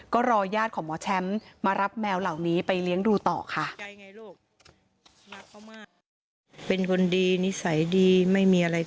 ก็รอญาติของหมอแชมป์มารับแมวเหล่านี้ไปเลี้ยงดูต่อค่ะ